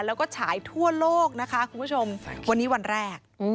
แล้วก็ฉายทั่วโลกนะคะคุณผู้ชมวันนี้วันแรก